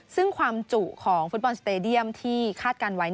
ซึ่งความจุของฟุตบอลสเตดียมที่คาดการณ์ไว้